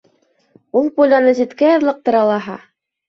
— Ул пуляны ситкә яҙлыҡтыра лаһа!